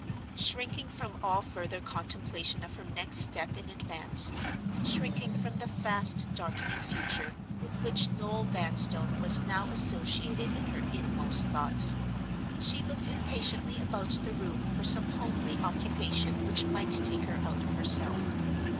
Shrinking from all further contemplation of her next step in advance—shrinking from the fast darkening future, with which Noel Vanstone was now associated in her inmost thoughts—she looked impatiently about the room for some homely occupation which might take her out of herself.